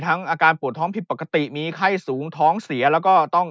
อาการปวดท้องผิดปกติมีไข้สูงท้องเสียแล้วก็ต้อง